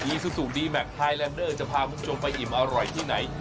อีซูซูดีแมคไทยแลนเดอร์จะพามุมชมไปอิ่มอร่อยที่ไหน